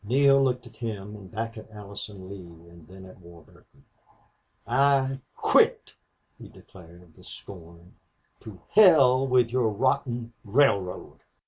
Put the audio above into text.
Neale looked at him and back at Allison Lee and then at Warburton. "I quit," he declared, with scorn. "To hell with your rotten railroad!"